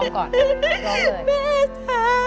คุณพา